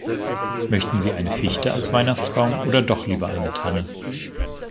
Möchten Sie eine Fichte als Weihnachtsbaum oder doch lieber eine Tanne?